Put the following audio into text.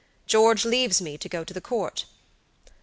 George leaves me to go to the Court."